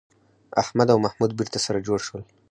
احمد او محمود بېرته سره جوړ شول.